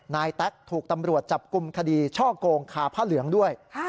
แต๊กถูกตำรวจจับกลุ่มคดีช่อโกงคาผ้าเหลืองด้วย